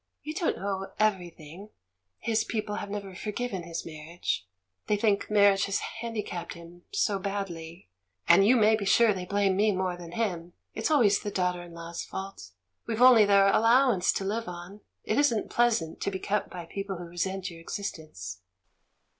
You don't know everything; his people have never forgiven his marriage — thej^ think marriage has handicapped him so badly — and, you may be sure, they blame me more than him; it's always the daughter in law's fault! We've only their allowance to live on — it isn't pleasant to be kept by people who resent your existence."